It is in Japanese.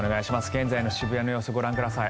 現在の渋谷の様子ご覧ください。